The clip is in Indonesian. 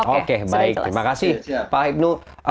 oke baik terima kasih pak ibnu